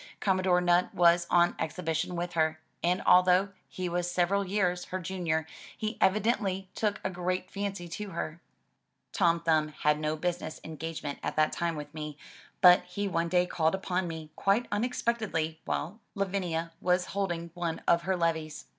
Commodore Nutt was on exhibition with her, and although he was several years her junior he evidently took a great fancy to her. Tom Thumb had no business engagement at that time with me, but he one day called upon me quite unexpectedly while Lavinia was holding one of her levees.